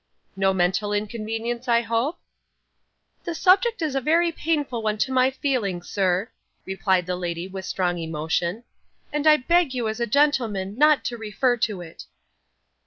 'No mental inconvenience, I hope?' 'The subject is a very painful one to my feelings, sir,' replied the lady with strong emotion; 'and I beg you as a gentleman, not to refer to it.